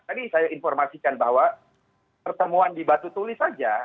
tadi saya informasikan bahwa pertemuan di batu tulis saja